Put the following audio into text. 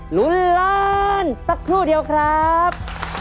ลุ้นล้านสักครู่เดียวครับ